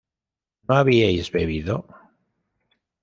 ¿no habíais bebido?